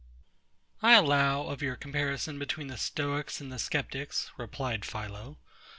I allow of your comparison between the STOICS and SKEPTICS, replied PHILO.